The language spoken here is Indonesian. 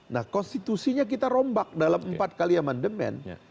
nah konstitusinya kita rombak dalam empat kali amandemen